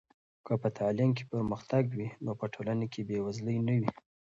که په تعلیم کې پرمختګ وي نو په ټولنه کې بې وزلي نه وي.